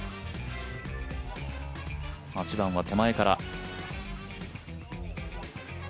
８番は手前から。